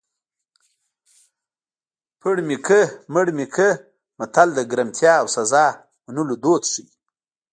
پړ مې کړه مړ مې کړه متل د ګرمتیا او سزا منلو دود ښيي